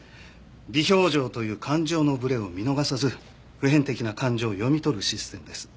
微表情という感情のブレを見逃さず普遍的な感情を読み取るシステムです。